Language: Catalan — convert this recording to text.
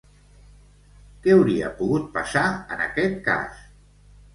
Què hauria pogut passar, en aquest cas?